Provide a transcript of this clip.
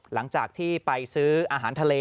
หลังจากที่ไปซื้ออาหารทะเล